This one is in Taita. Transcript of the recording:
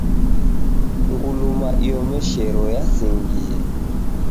Nguluma iomeshero yasingie